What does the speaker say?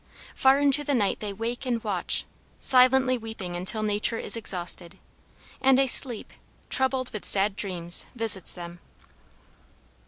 Far into the night they wake and watch, silently weeping until nature is exhausted, and a sleep, troubled with sad dreams, visits them.